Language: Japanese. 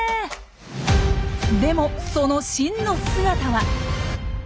でもその真の姿は。